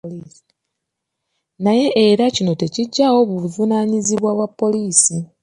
Naye era kino tekiggyaawo buvunaanyizibwa bwa poliisi.